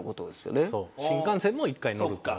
新幹線も１回乗ると。